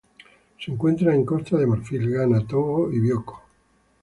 Se encuentra en Costa de Marfil, Ghana, Togo y Bioko.